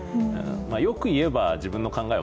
よくいえば自分の考えを